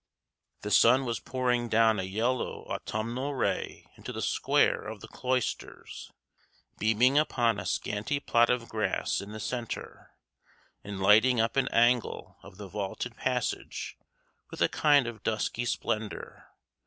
The sun was pouring down a yellow autumnal ray into the square of the cloisters, beaming upon a scanty plot of grass in the centre, and lighting up an angle of the vaulted passage with a kind of dusky splendor.